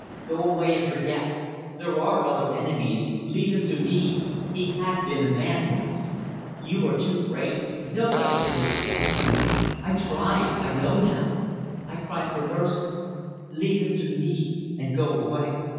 ... Go away and forget. There are other enemies. ... Leave him to me. He had been a man once. ... You are too great. Nobody can withstand you. ... I tried. ... I know now .... I cry for mercy. Leave him to me and go away."